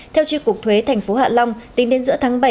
theo tri cục thuế tp hạ long tính đến giữa tháng bảy